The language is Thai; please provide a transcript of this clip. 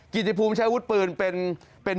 กิตติภูมิใช้อาวุธปืนเป็น